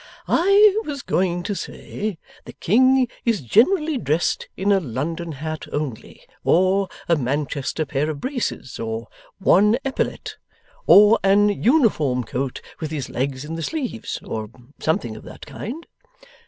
'I was going to say, the king is generally dressed in a London hat only, or a Manchester pair of braces, or one epaulette, or an uniform coat with his legs in the sleeves, or something of that kind.